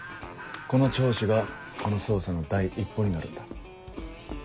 この聴取がこの捜査の第一歩になるんだ。